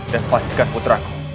dan pastikan putraku